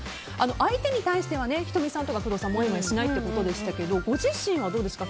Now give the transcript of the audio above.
相手に対しては仁美さんとか工藤さんもやもやしないってことでしたがご自身はどうですか？